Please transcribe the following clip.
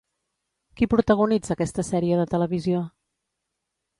Qui protagonitza aquesta sèrie de televisió?